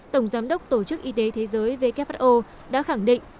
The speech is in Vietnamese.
tổng giám đốc tổ chức y tế thế giới who đã khẳng định